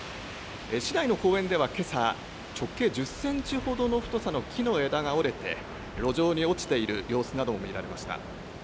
市内の公園ではけさ、直径１０センチほどの太さの木の枝が折れて、路上に落ちている様子なども見られました。